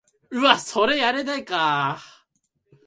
ここに六歳までおりましたが、